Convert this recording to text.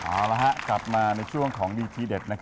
เอาละฮะกลับมาในช่วงของดีทีเด็ด